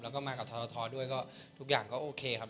แล้วก็มากับทรทด้วยก็ทุกอย่างก็โอเคครับ